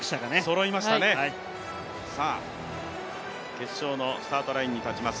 決勝のスタートラインに立ちます